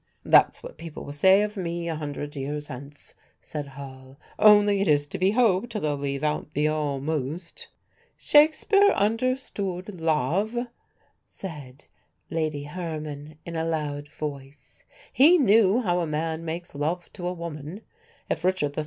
"That's what people will say of me a hundred years hence," said Hall; "only it is to be hoped they'll leave out the 'almost.'" "Shakespeare understood love," said Lady Herman, in a loud voice; "he knew how a man makes love to a woman. If Richard III.